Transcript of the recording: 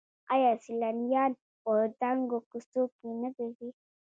آیا سیلانیان په تنګو کوڅو کې نه ګرځي؟